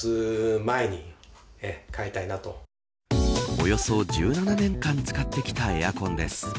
およそ１７年間使ってきたエアコンです。